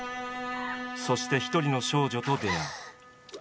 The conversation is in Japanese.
そして一人の少女と出会う。